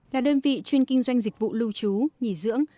là đơn vị chuyên kinh doanh dịch vụ lưu trú nghỉ dưỡng